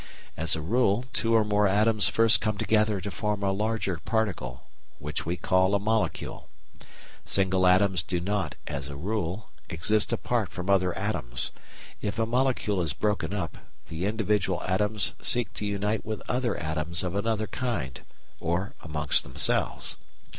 As a rule, two or more atoms first come together to form a larger particle, which we call a "molecule." Single atoms do not, as a rule, exist apart from other atoms; if a molecule is broken up, the individual atoms seek to unite with other atoms of another kind or amongst themselves.